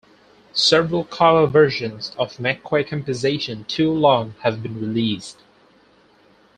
Several cover versions of McCoy's composition "Too Long" have been released.